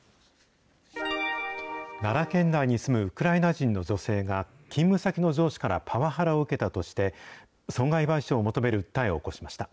奈良県内に住むウクライナ人の女性が、勤務先の上司からパワハラを受けたとして、損害賠償を求める訴えを起こしました。